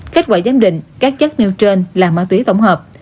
kết quả giám định các chất nêu trên là ma túy tổng hợp